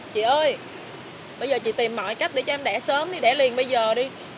chị ơi bây giờ chị tìm mọi cách để cho em đẻ sớm đi để liền bây giờ đi